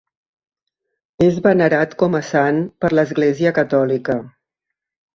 És venerat com a Sant per l'Església catòlica.